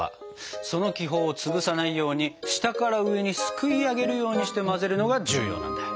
その気泡を潰さないように下から上にすくいあげるようにして混ぜるのが重要なんだ。